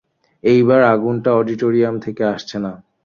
এইবার আগুনটা অডিটোরিয়াম থেকে আসছে না।